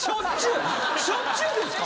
しょっちゅうですか？